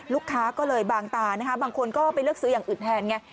ลูกค้าก็เลยบางตานะคะบางคนก็ไปเลือกซื้ออย่างอื่นแทนไง